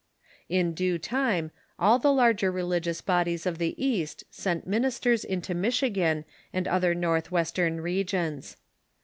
In due time all the larger religious bodies of the East sent ministers into Michigan and other Nortlnvestern regions.